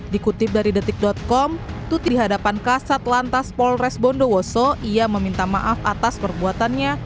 dikutip dari detik com tuti di hadapan kasat lantas polres bondowoso ia meminta maaf atas perbuatannya